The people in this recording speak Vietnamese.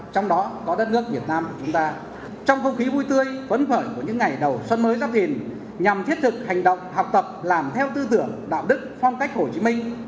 trong đó có đất nước việt nam của chúng ta trong không khí vui tươi phấn khởi của những ngày đầu xuân mới giáp thìn nhằm thiết thực hành động học tập làm theo tư tưởng đạo đức phong cách hồ chí minh